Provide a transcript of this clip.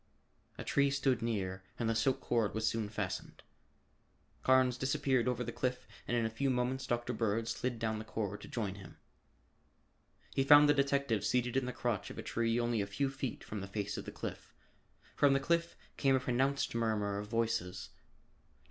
A tree stood near and the silk cord was soon fastened. Carnes disappeared over the cliff and in a few moments Dr. Bird slid down the cord to join him. He found the detective seated in the crotch of a tree only a few feet from the face of the cliff. From the cliff came a pronounced murmur of voices. Dr.